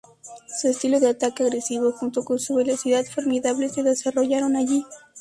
Su estilo de ataque agresivo junto con su velocidad formidable se desarrollaron allí.